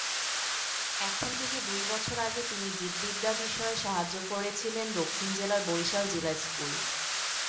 এখন থেকে দুই বছর আগে তিনি জীববিদ্যা বিষয়ে সাহায্য করেছিলেন দক্ষিণ জেলার বরিশাল জিলা স্কুল।